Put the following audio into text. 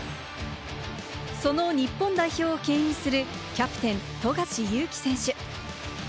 その日本代表をけん引するキャプテン・富樫勇樹選手。